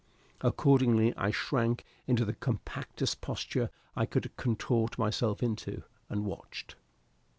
Accordingly, I shrank into the compactest posture I could contort myself into, and watched.